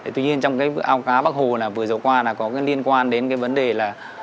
tuy nhiên trong cái ao cá bắc hồ là vừa rồi qua là có cái liên quan đến cái vấn đề là